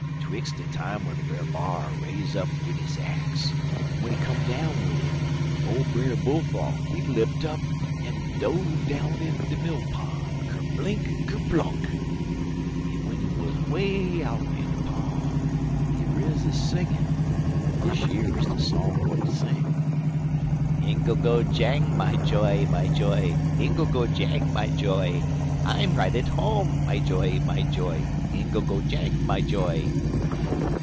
'Twix' de time w'en Brer B'ar raise up wid his axe en w'en he come down wid it, ole Brer Bull frog he lipt up en dove down in de mill pon', kerblink kerblunk! En w'en he riz way out in de pon' he riz a singin', en dish yer's de song w'at he sing: "'Ingle go jang, my joy, my joy Ingle go jang, my joy! I'm right at home, my joy, my joy Ingle go jang, my joy!'"